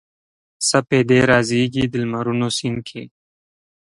سپیدې رازیږي د لمرونو سیند کې